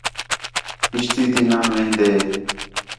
کشتی تی نان وِھندیں